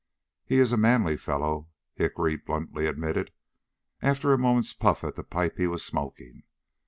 "He is a manly fellow," Hickory bluntly admitted, after a moment's puff at the pipe he was smoking.